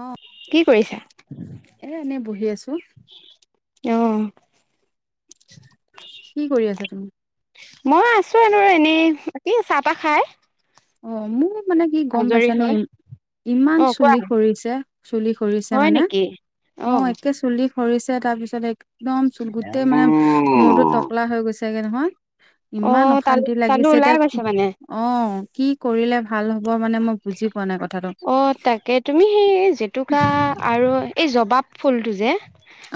অহ। কি এই এনেই বহি আছো। অহ। কি কৰি আছা তুমি? মই আছ এনে এনেই, বাকি খায়। অ', মোৰ মানে কি গম পাইছানে? ই ইমান অ', কোৱা চুলি সৰিছে চুলি সৰিছে হয় মানে। নেকি? অ', একে চুলি কৰিছে তাৰপিছত এ একদম চ গোটেই মানে মূৰটো টকলা হৈ গৈছেগে নহয়। ইমান অ', তাল অশান্তি তালৈ লাগিছে ওলাই এতিয়া, কি গৈছে মানে। অ। কি কৰিলে ভাল হব? মানে মই বুজি পোৱা নাই কথাটো অ', তাকেই। তুমি সেই জেতুকা আৰু এই জবাব ফুলটো যে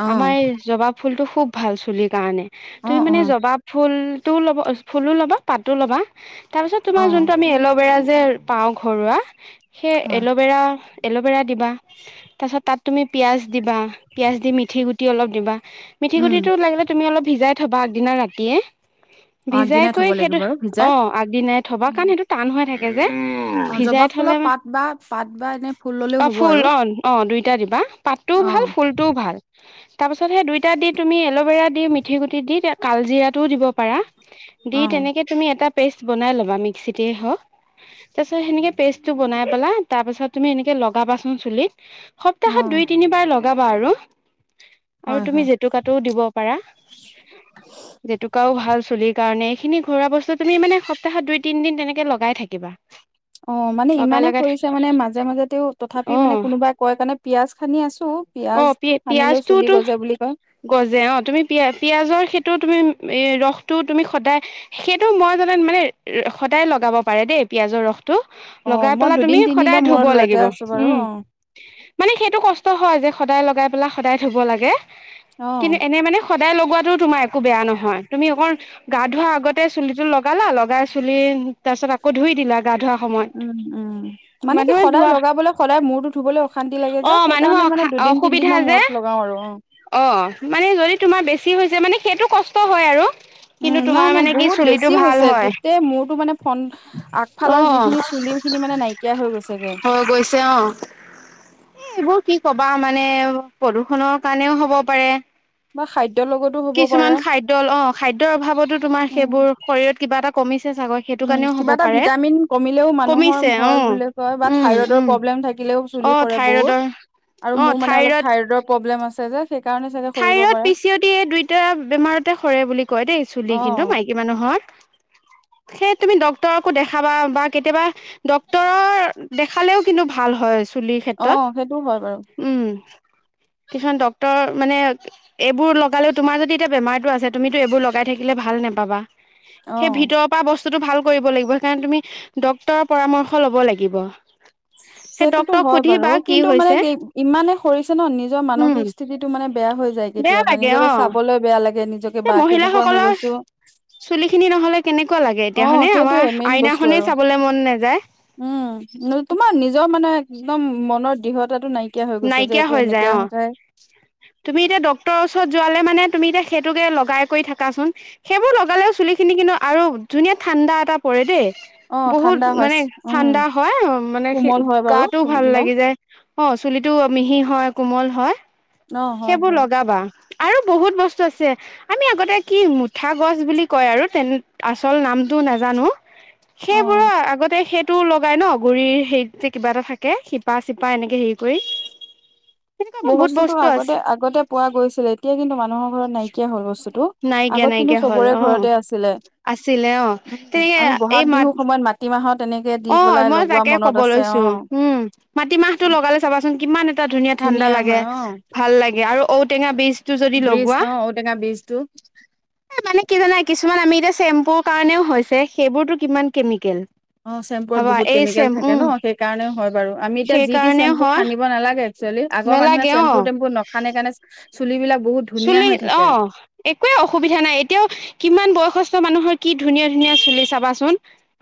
অ' আমাৰ এই জবাব ফুলটো খুব ভাল চুলিৰ কাৰণে। তুমি অ' মানে অ' জবা ফুল, টো ফুলো ল'ব, ফুলো ল'বা পাতো ল'বা। তাৰ পিছত তোমাৰ অ' যোনটো আমি এল'ভেৰা যে, পাওঁ। ঘৰুৱা। সেই হয় এল'ভেৰা-এল'ভেৰা দিবা। তাৰ পিছত তাত তুমি পিয়াজ দিবা পিয়াজ দি মিঠি গুটি অলপ দিবা। মিঠি উম গুটিটো লাগিলে অলপ ভিজাই থ'বা আগদিনা ৰাতি তি অ' ভিজাই আগদিনাই থব কৰি সেইটো লাগিব আৰু ভিজাই অ আগদিনাই থবা কাৰণ সেইটো টান হৈ থাকে। যে অ' জবাব ফুলৰ পাত বা পাত বা এনে ফুল ললেও হ'ব আৰু। টা দিবা পাতটোও ভাল অ' ফুলটোও ভাল। তাৰ পাছত সেই দুইটা দি তুমি এলভেৰা দি মিঠি গুটি দি কালজিৰা টো দিব পৰা দি অ' তেনেকে এটা। পেষ্ট বনাই ল'বা মিক্সিতে হ তাৰপিছ সে পেষ্টটো বনাই পেলা তাৰ পিছত তুমি এনেকে লগাবাচোন চুলিত। সপ্তাহত অ' দুই তিনিবাৰ লগ লগাবা আৰু আৰু হয় হয় তুমি জেতুকাতটোও দিব পাৰা জেতুকাও ভাল চুলিৰ কাৰণে এইখিনি ঘোৱা বস্তু তুমি মানে সপ্তাহত দুই তিন দিন তেনেকে লগাই থাকিবা। অ' মানে লগাই ইমানে লগাই সৰিছে মানে মাজে মাজেতে তথাপি অ মানে কোনোবাই কয় কাৰণে পিয়াজ খান্দি আছো অ পি পিয়াজটো সানিলেও চুলি পিয়াজটোতো গছে বুলি কয়। টো তুমি ৰস টো তুমি সদায় সেইটো মই জাত মানে সদায় লগাব পাৰে দেই পিয়াজৰ ৰস। অ', লগাই মই পেলাই তুমি দুদিন সদায় তিনদিনৰ ধুব মূৰত লাগিব লগাই আছো বাৰু উম' অ', মানে সেইটো কষ্ট হয় যে সদায় লগাই পেলাই সদায় ধুব লাগে। কিন্তু অ', এনে মানে সদায় লগোৱাতটো তোমাৰ একো বেয়া নহয় তুমি অকণ গা ধোৱা আগতে চুলিটো লগালা লগাই চুলি তাৰ পিছত আকৌ ধুই দিলা গা ধোৱা। সময়ত উম উম মানে কি মানুহে সদায় ধোৱা লগাবলৈ সদায় মূৰটো ধুবলৈ অশান্তি লাগে অ যে মানুহৰ সেইকাৰণে অসা মানে দুদিন অসুবিধা তিনিদিনৰ যে মূৰত লগাও আৰু উ অ মানে যদি তোমাৰ বেছি মানে সেইটো কষ্ট হয় আৰু উম কিন্তু নাই তোমাৰ নাই মানে কি বহুত চুলিটো বেছি ভাল হৈছে হয় গোটেই মূৰতো মানে ফন অ আগফালৰ যিখিনি চু চুলিও খিনি মানে নাইকিয়া হৈ গৈছেগে হৈ গৈছে অ [unintelligible] কি ক'বা মানে প্ৰদূষনৰৰ কাৰণেও হ'ব পাৰে মই খাদ্য কিছুমান খাদ্য অ খাদ্যৰ অভাৱতো তোমাৰ সেইবোৰ শৰীৰত কিবা এটা কমিছে চাগৈ সেইটো উ কাৰণেও হ'ব কিবা এটা পাৰে ভিটামিন কমিলেও মানুহৰ কমিছে অ হয় বুলি কয় বা উম থাইৰইডৰ উম প্ৰব্লেম থাকিলেও অ চুলি সৰে বহুত থাইৰইডৰ আৰু মোৰ মানে অলপ থাইৰইডৰ প্ৰব্লেম আছে যে সেইকাৰণে চাগে সৰিব থাইৰড পাৰে। পিচিয়তি এই দুইটা বেমাৰতে সৰে বুলি কয় দেই চুলি কিন্তু অ', মাইকী মানুহৰ সেই তুমি ডক্তৰকো দেখাবা বা কেতিয়াবা ডক্তৰৰ দেখালেও কিন্তু ভাল হয় চুলিৰ অ ক্ষেত্ৰত সেইটোও হয় বাৰু উম কিছুমান ডক্টৰ মানে এইবোৰ লগালেও তোমাৰ যদি এতিয়া বেমাৰতটো আছে তুমিতো এইবোৰ লগাই থাকিলে ভাল নোপাবা সেই অ', ভিতৰৰ পৰা বস্তু ভাল কৰিব লাগিব সেইকাৰণে তুমি ডক্তৰৰ পৰামৰ্শ লব লাগিব সেই সেইটোতো ডক্তৰক হয় বাৰু সুধিবা কি কিন্তু মানে হৈছে ইমানে সৰিছে ন নিজৰ উম মানসিক স্থিতিত মানে বেয়া হৈ যায় বেয়া কেতিয়াবা লাগে নিজকে অ চাবলৈ বেয়া লাগে নিজকে এ বা কেনেকুৱা হৈ মহিলাাসকলৰ গৈছো চুলি খিনি নহলে কেনেকুৱা লাগে অ', এতিয়াখানে সেইটোয়ে আমাৰ মেইন বস্তু আইনাখনে আৰু চাবলে মন নাযায় উম, তোমাৰ নিজৰ মানে একদম মনৰ দৃঢ়তাটো নাইকিয়া হৈ গৈছে যে নাইকিয়া এইটো হৈ যায় এনেকা অ তুমি এতিয়া ডক্তৰ ওচৰত যোৱালে মানে তুমি এতিয়া সেইটোকে লগাই কৰি থাকাচোন সেইবোৰ লগালেও চুলি খিনি কিন্তু আৰু ধুনীয়া ঠাণ্ডা এটা পৰে দেই অ', বহুত ঠাণ্ডা হয় মানে উম। ঠাণ্ডা হয় অ মানে কোমল হয় বাৰু গাটো ভাল চুলিবিলাক। লাগি যায় অ টো মিহি হয় কোমল হয় অ', হয় সেইবোৰ বাৰু। লগাবা আৰু বহুত বস্তু আছে আমি আগতে কি মুঠা গছ বুলি কয় আৰু তেনে আচল নামটো নাজানো অ', সেইবোৰো আগতে সেই টো লগাই ন গুৰিৰ হেৰিত যে কিবা এটা থাকে শিপা চিপা এনেকে হেৰি কৰি তেনেকুৱা ন বহুত বছৰটোৰ বস্তু আগ আগ আছে আগতে পোৱা গৈছিল এতিয়া কিন্তু মানুহৰ ঘৰত নাইকিয়া হল বস্তুটো নাইকিয়া আগত কিন্তু নাইকিয়া হ'ল চবৰে অ ঘৰতে আছিলে আছিলে অ উ তেনেকে আমি এই বহাগ মাত বিহু সময়ত মাটিমা অ মই তাকে কব লৈছো অ'। উম মাটিমাহটো লগালে চাবাচোন কিমান টা ধুনীয়া ঠাণ্ডা লাগে, হয় অ', ভাল লাগে, আৰু ঔটেঙা বিজ টো যদি ব্ৰিজ লগোৱা অ', ঔটেঙা বীজটো। মানে কি জানা কিছুমান আমি এতিয়া চেম্পুৰ কাৰণেও হৈছে সেইবোৰতো কিমান কেমিকেল। অ', চেম্পুত ভাবা বহুত এই কেমিকেল চেম থাকে উম ন', সেই কাৰণেও হয় বাৰু আমি এতিয়া সেই যি টি কাৰণেও চেম্পু হয় খানিব নালাগে একচুৱেলি আগৰ মানুহে নালাগে চেম্পু অ টেম্পু নখানে কাৰণে চুলিবিলাক বহুত ধুনীয়া চুলি হৈ থাকে। অ একোৱে অসুবিধা নাই এতিয়াও কিমান বয়স সস্থ মানুহৰ কি ধুনীয়া ধুনীয়া চুলি চাবাচোন।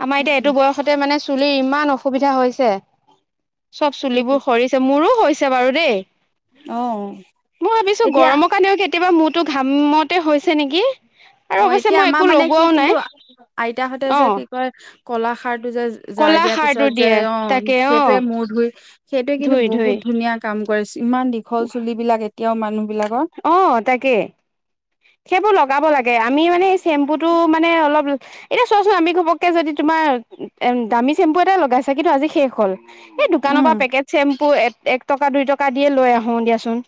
আমাৰ এতিয়া উম, এইটো বয়সতে মানে চু তুলি ইমান অসুবিধা হৈছে। চব সেইটো। চুলিবোৰ সৰিছে মোৰো হৈছ থিয়া বাৰু দেই। অ মই ভাবিছো এতিয়া গৰমৰ কাৰণেও কেতিয়াবা মূৰটো ঘামতে হৈছে নেকি। আৰু অ অৱশ্যে এতিয়া মই আমাৰ একো মানে কি লগোৱাও কিন্তু নাই আইতাহঁতে অ যে কি কয় কলা খাৰটো যে জাৰ কলা দিয়াৰ সাৰটো পিছত যে দিয়ে অ তাকে অ সেইটোৱে মূৰ ধুই সেইটোৱে কিন্তু ধুই ধুই বহুত ধুনীয়া কাম কৰিছ ইমান দীঘল চুলিবিলাক এত তিয় মানুহ বিলাকৰ অ তাকে সেইবোৰ লগাব লাগ এই আমি মানে চ্বেম্পু টো মানে অলপ এতিয়া চোৱাচোন আমি ঘপককে যদি তোমাৰ এম দামী চেম্পু এটা লগাইছা কিন্তু আজি শেষ হয়। এই দোকানৰ পৰা উম পেকেট চেম্পু, এক টকা দুই টকা দিয়ে লৈ আহো দিয়াচোন।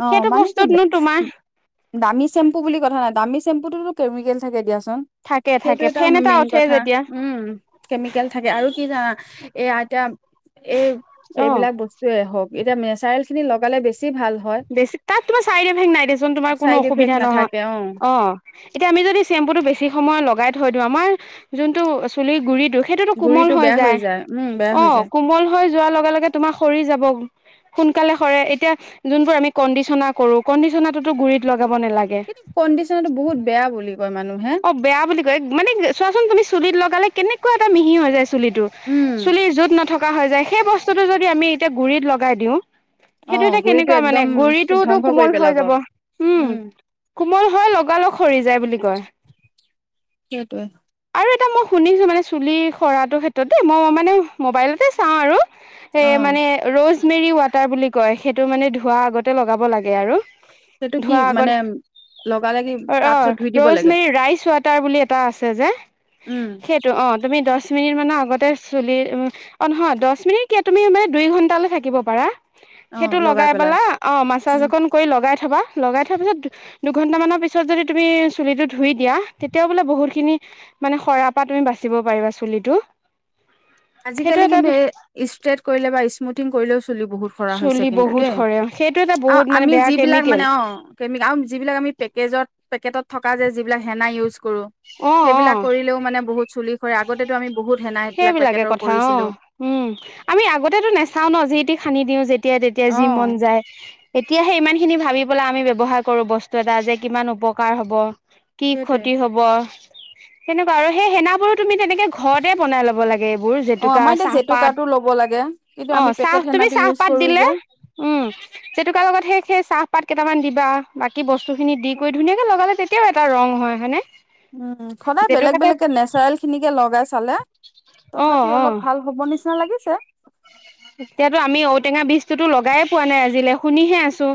অ সেইটো মানে কি? বস্তুতনো তোমাৰ দামী চেম্পু বুলি কথা নাই, দামী চেম্পুটোতো কেমিকেল থাকে দিয়াচোন। থাকে সেইটো থাকে এটা ফেন মেইন উঠে কথা যেতিয়া উম কেমিকেল থাকে আৰু কি জানা এ আইতা। এই অ সেইবিলাক বস্তুৱে হওক। এতিয়া নেচাৰল খিনি লগালে বেছি ভাল। হয় বেছি তাত তোমাৰ চাইড এফেকট নাই দেচোন তোমাৰ কোনো চাইড অসুবিধা ইফেক্ট নহয়, নাথাকে অ অৱ এতিয়া আমি যদি চেম্পুটো বেছি সময়ত লগাই থৈ আমাৰ যোনটো চুলিৰ গুৰিটো সেইটোত' কোমল গুৰিটো হৈ বেয়া যায়। উম বেয়া হৈ অঁ যায় কোমল হৈ যোৱাৰ লগে লগে তোমাৰ সৰি যাব সোনকালে সৰে এতিয়া যোনবোৰ আমি কণ্ডিচনাৰ কৰো কণ্ডিচনাটো গুৰিত লগ কিন্তু কণ্ডিশ্যনাৰ টো বহুত বেয়া বুলি কয় মানুহ অ বেয়া বুলি কয় মানে চোৱাচোন তুমি চুলিত লগালে কেনেক একে এটা মিহি হৈ যাই আছে। চুলি টো উম চুলি যো'ত নথকা হৈ যায়। সেই বস্তুটো যদি আমি এতিয়া গুৰিত লগাই দিওঁ। অ সেইটো এতিয়া গুৰিটো কেনেকুৱা মানে একদম গুৰিটোতো ধ্বংস কৰি কোমল হৈ পেলাব যাব উম, কোমল হৈ লগালগ সৰি যায় বুলি কয়। সেইটোৱে। আৰু এটা মই শুনিছোঁ মানে চুলি সৰাটোৰ ক্ষেত্ৰতে দেই মই মানে মোবাইলতে চাওঁ আৰু। অ এ মানে ৰ'জ মেৰী ৱাটাৰ বুলি কয় সেইটো মানে ধোৱা আগতে লগাব লাগে আৰু। সেইটো কি ধোৱা আগত মানে লগালেগি তাৰ পিছত ধুই দিব লাগে। এ ৰাইচ ৱাটাৰ বুলি এটা আছে যে উম সেইতো অ' তুমি দ'চ মিনিট মানৰ আগতে চুলি অ' নহয় দচ মিনিট কিয় তুমি মানে দুই ঘণ্টালৈ থাকিব পাৰা। সেইটো লগাই পেলাই অ' মাছাজ উম অকন কৰি লগাই থ থবা লগাই থোৱা পিছত দুঘন্টা মানৰ পিছত যদি তুমি চুলিটো ধুই দিয়া। তেতিয়াও বোলে বহুত খিনি মানে সৰা পৰা তুমি বাচিব পাৰিবা চুলিটো। সেইটো আজিকালি এটা কিন্তু এ ষ্ট্ৰেট কৰিলে বা স্মুথিং কৰিলেও চলিব। বহুত সৰা হৈছে চুলি কিন্তু বহুত দেই। সৰে সেইটো এটা আৰু বহুত মানে আমি বেয়া যিবিলাক কেমিকেল মানে অ যিবিলাক আমি পেকজেত। থকা যে যিবিলাক হেনা ইউজ। কৰো অ অ সেইবিলাক কৰিলেও মানে বহুত চুলি। হয় আগতেটো আমি বহুত হেনা সেইবিলাক। সেইবিলাকে পেকেটৰ কথা কৰিছিলো। অ' উম আমি আগতেতো নাচাও ন যি তি। সানি দিও যেতিয়া। তেতিয়া তেতিয়া যি মন অ', যায়। এতিয়া সেই ইমান খিনি ভাবি পেলাই আমি ব্যৱহাৰ কৰো। বস্তু এটা যে কিমান উপকাৰ হ'ব। কি সেইটোৱে। ক্ষতি হব। সেনেকুৱা, আৰু সেই হেনাবোৰ তুমি তেনেকে। ঘৰতে বনাই ল'ব লাগে এইবোৰ অ', জেতুকা, আমাৰ এতিয়া চাহপাত জেতুকাটো ল'ব লাগে কিন্তু আমি অ' চাহ পেকেট তুমি হেনাটো ইউজ চাহপাত কৰো দিলে যে। উম জেতুকাৰ লগত সেই সেই চাহ। পাত কেইটামান দিবা বাকী বস্তু খিনি দি কৰি ধুনীয়াকে লগালে তেতিয়াও এটা ৰং হয় হয়নেে। উম সদায় বেলেগ বেলেগে নেচাৰেল লগাই চালে অ তথাপি অ অলপ ভাল হব নেকি নিচিনা লাগিছে এতিয়াতো আমি ঔটেঙা বীজটোতো লগাইে পোৱা নাই আজিলে শুনিহে আছো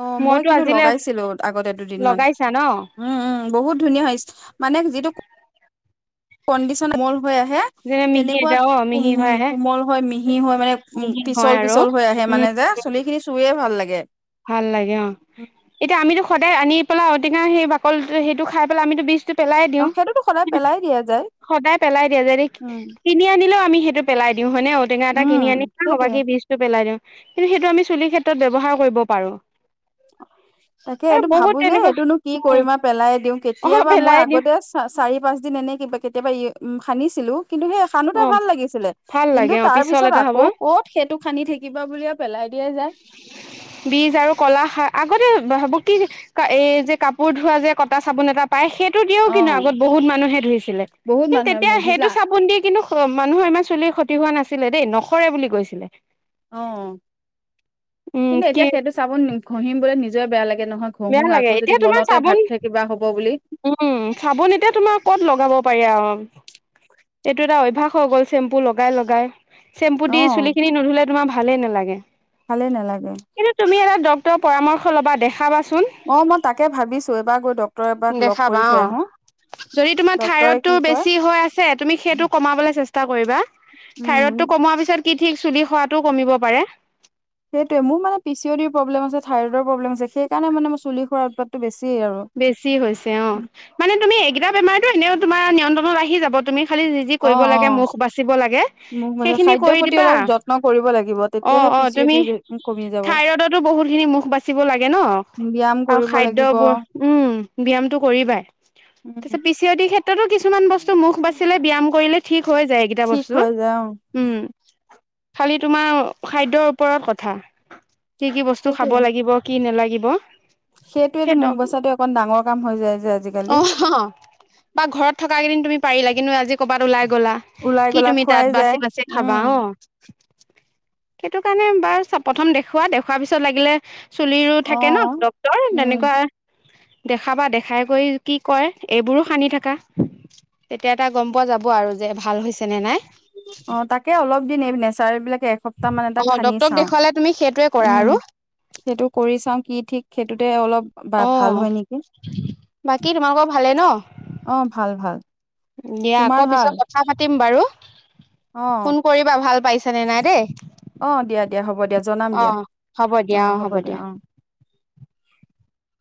অ মই মইতো কিন্তু আজিলে লগাইছিলোঁ। আগতে দুদিনমান লগাইছা ন উম, উম বহুত ধুনীয়া মানে, যিটো কণ্ডিশন কোমল হৈ আহে যেনে মিহি তেনেকুৱা এতিয়া অ মিহি হৈ আহে কোমল হয় মিহি হয় মানে উ মিহি পিচল হয় আৰু পিচল হৈ আহে উম মানে যে চুলি খিনি চুইয়ে ভাল লাগে। [unintelligible] ভাল লাগে অ এতিয়া আমিতো আনি পেলাই ঔটঙা সেই বাকলটো সেইটো খাই পেলাই আমিতো বিজটো পেলাই অ দিওঁ। সেইটোতো সদায় পেলাই দিয়া যায় সদায় পেলাই দিয়া যদি উম কিনি আনিলো আমি সেইটো পেলাই দিওঁ হয় ননে ঔটেঙা এটা উম কিনি সেইটোৱে আনিবাকি বীজটো পেলাই দিওঁ কিন্তু সেইটো আমি চুলিৰ ক্ষেত্ৰত ব্যৱহাৰ কৰিব প পাৰো তাকে এ এইটো বহুত ভাবো যে তেনেকুৱা এইটোনো কি কৰিমা পেলাই দিওঁ অ কেতিয়াবা মই পেলাই দিওঁ আগতে চ চাৰি পাঁচ দিন এনেই কিবা কেতিয়াবা ই সানিছিলোঁ কিন্তু সেই এখনানোতে অ ভাল লাগিছিলে ভাল কিন্তু লাগে অ তাৰ পিছল পিছত এটা আকৌ হ'ব ক'ত সেইটো খান্দি থাকিবা বুলিয়ে পেলাই দিয়া যায় বীজ আৰু কলা শাক আগতে ভাব কি এই যে কাপোৰ ধোৱা যে কটা চাবোন এটা পাই সেই দিও অ কিন্তু আগত বহুত মানুহে ধুইছিলে বহুত কিন্তু মানুহে তেতিয়া মূৰ ধুইছিলে সেইটো চাবোন দি কিন্তু অ মানুহৰ ইমান চুলিৰ ক্ষতি হোৱা নাছিলে দেই নখৰে বুলি কৈছিলে অ উম কিন্তু কি এতিয়া সেইটো চাব নম ঘঁহম বলে নিজে বেয়া লাগে নহয় ঘঁহো বেয়া লাগে আকৌ যদি এতিয়া তোমাৰ মনতে চাবোন ভাবি কিবা হ'ব বুলি উম চাবোন এতিয়া তোমাৰ ক'ত লগাব পাৰি আৰু এইটো এটা অভ্যয়াস হৈ গ'ল চেম্পু লগাই লগাই চেম্পু অ দি চুলি খিনি নুধে তোমাৰ ভালেই নালাগে ভালেই নালাগে কিন্তু তুমি এটা পৰামৰ্শ ল'বা দেখা অ মই তাকে ভাবিছো এবাৰ গৈ ড্টৰে এবাক লগ দেখাবা কৰি থৈ অ আহো যদি তোমাৰ ড্টৰে থাইৰডটো কি কয় বেছি হৈ আছে তুমি সেইটো কমাবলৈ চেষ্টা কৰিবা উম থাইৰড টো কমোৱাৰ পিছত কি ঠিক চুলি খোৱাাতটো কমিব পাৰে সেইটোৱে মোৰানে পিচি' ডৰ প্ৰব্লেমছে থাইৰইডৰ প্ৰব্ম আছে সেই কাৰণে মে মই চুলি খ উৎাদটো বেছি আৰু বেছি হৈছে অ মানে তুমি এইকেইটা বেমাৰ- এনেও তোমাৰ নিয়ন্ত্ৰণত আহি যাব তুমি- খালী যি যি অ কৰিব অ লাগে মুখ বাচিব লাগে মোক মানে সেইখিনি খাদ্যৰ কৰি প্ৰতি দিবা অলপ যত্ন কৰিব লাগিব অ তেতিয়াহে অ পি চি তুমি ডি কমি যাব থাইৰডতো বহুতখিনি মুখ বাচিব লাগে ন ব্যায়াম আৰু কৰিব লাগিব খাদ্যবোৰ- উম ব্যায়ামটো কৰিবাই উম পিচিঅডি ক্ষেত্ৰতো কিছু- কিছুমান বস্তু মুখ বাচিলে ব্যায়াম কৰিলে ঠিক- হৈ যায় এইকেইটা ঠিক বস্তু হৈ যায় অ উম। খালি তোমাৰ খাদ্যৰ ওপৰত কথা। কি কি বস্তু খাব সেইটোৱে লাগিব, কি নালাগিব সেইটোৱেতো সেই- মুখ বচাটো অকণ ডাঙৰ কাম হৈ যায় যে আজিকালি অ অ বা ঘৰত থকা কেইদিন- তুমি পাৰিলা, কিন্তু আজি ক'ৰবাত ওলাই - গলা ওলাই কি গলা তুমি খোৱাই তাত যায় বাচি বাচি খাবা উম অ সেইটো কাৰণে বাৰু চব প্ৰথম দেখওুৱা দেখুৱাৰ পিছত লাগিলে- চুলিৰো অ থাকে ন ডক্তৰ উম তেনেকুৱা- দেখাবা দেখাই কৰি কি কয় এইবোৰো সানি থাকা তেতিয়া এটা গম পোৱা যাব আৰু যে ভাল হৈছে- নে নাই অ তাকে অলপদিন এই নেচাৰেল বিলাক এ- সপ্তাহ মান এটা অ সানি ডক্তৰক চাওঁ দেখুৱালে তুমি সেইটোৱে কৰা উম আৰু সেইটো কৰি চাওঁ কি ঠিক - সেইটোতে অলপ- বা অ। ভাল হয় নেকি বাকী তোমালোকৰ ভালেই ন? অ' ভাল ভাল দিয়া তোমাৰ আকৌ ভাল পিছত কথা পাতিম বাৰু। অ' ফোন কৰিবা ভাল পাইছনে নাই দেই, অ' দিয়া দিয়া হ'ব দিয়া জনাম অ দিয়া হ'ব দিয়া অ হ'ব দিয়া।